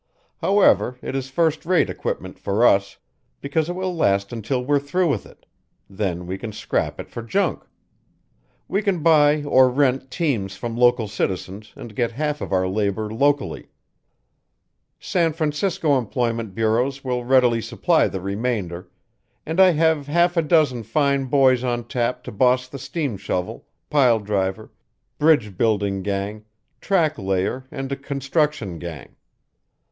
However, it is first rate equipment for us, because it will last until we're through with it; then we can scrap it for junk. We can buy or rent teams from local citizens and get half of our labour locally. San Francisco employment bureaus will readily supply the remainder, and I have half a dozen fine boys on tap to boss the steam shovel, pile driver, bridge building gang, track layer and construction gang.